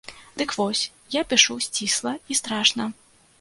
Дык вось, я пішу сцісла і страшна.